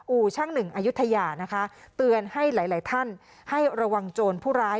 ช่างหนึ่งอายุทยานะคะเตือนให้หลายหลายท่านให้ระวังโจรผู้ร้าย